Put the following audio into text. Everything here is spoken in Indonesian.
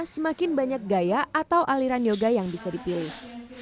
semakin banyak gaya atau aliran yoga yang bisa dipilih